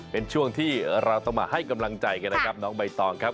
เป็นช่วงที่เราต้องมาให้กำลังใจกันนะครับน้องใบตองครับ